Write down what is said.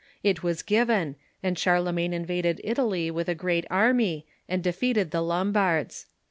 It was given, and Charlemagne invaded Italy with a great army, and defeated the Lombards.